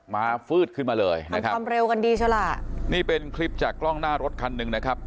ฟืดขึ้นมาเลยนะครับความเร็วกันดีใช่ล่ะนี่เป็นคลิปจากกล้องหน้ารถคันหนึ่งนะครับ